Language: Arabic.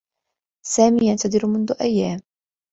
سامي ينتظر منذ أيّام.